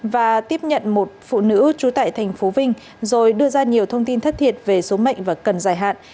và tiếp nhận một phụ nữ trú tại thành phố vinh rồi đưa ra nhiều thông tin thất thiệt về số mệnh và cần giải hạn